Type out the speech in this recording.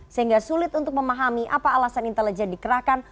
sehingga sulit untuk memahami apa alasan intelijen dikerahkan